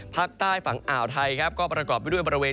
ภาคใต้ฝั่งอ่าวไทยครับก็ประกอบไปด้วยบริเวณ